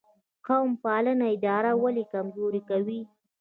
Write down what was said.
قوم پالنه اداره ولې کمزورې کوي؟